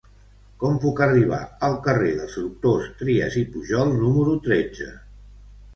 Com puc arribar al carrer dels Doctors Trias i Pujol número tretze?